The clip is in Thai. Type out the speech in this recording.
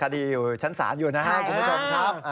คดีชั้นสารอยู่นะฮะกลุ่มผู้ชมครับ